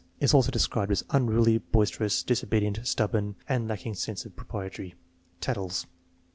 Is also described as "unruly, boisterous, disobedient, stubborn, and lacking sense of propriety. Tattles."